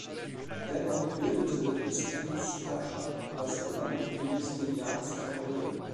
Dennoch bildete Justins Herrschaft das Fundament für Justinians Erfolge.